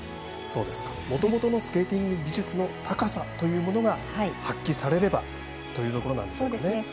もともとのスケーティング技術の高さが発揮されればというところなんですね。